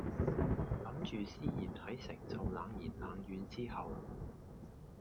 諗住思賢喺承受冷言冷語之後